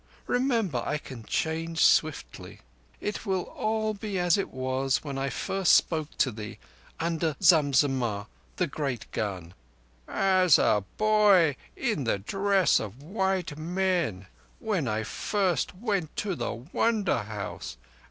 Remember, I can change swiftly. It will all be as it was when I first spoke to thee under Zam Zammah the great gun—" "As a boy in the dress of white men—when I first went to the Wonder House.